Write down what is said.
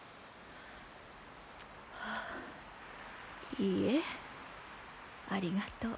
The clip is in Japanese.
はあいいえありがとう。